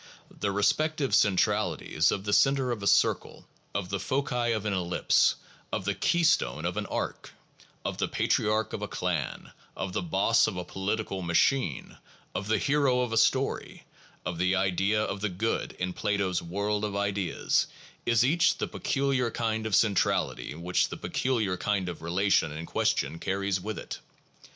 The respective centralities of the center of a circle, of the foci of an ellipse, of the keystone of an arch, of the patriach of a clan, of the boss of a political machine, of the hero of a story, of the Idea of the Good in Plato's world of Ideas, is each the peculiar kind of centrality which the peculiar kind of relation in question carries with it.